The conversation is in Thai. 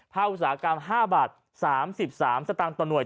อุตสาหกรรม๕บาท๓๓สตางค์ต่อหน่วย